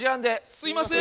すいません。